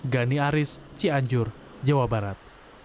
gani aris cianjur jawa barat